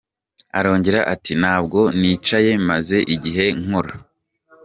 Arongera ati “Ntabwo nicaye, maze igihe nkora.